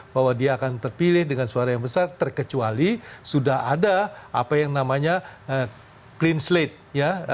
bahwa dia akan terpilih dengan suara yang besar terkecuali sudah ada apa yang namanya clean slate ya